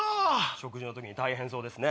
食事の時に大変そうですね。